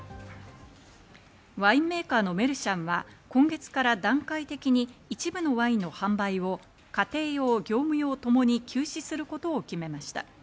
ワインメーカーのメルシャンは、今月から段階的に一部のワインの販売を家庭用、業務用ともに休止することを決めました。